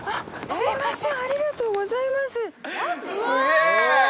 すいません